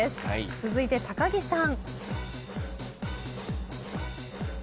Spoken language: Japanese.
続いて柴田さん。